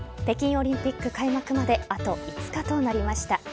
北京オリンピック開幕まであと５日となりました。